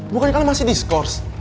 bukannya kalian masih di skors